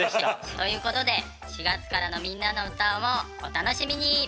ということで４月からの「みんなのうた」もお楽しみに！